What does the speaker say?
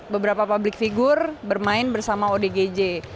beberapa public figure bermain bersama odgj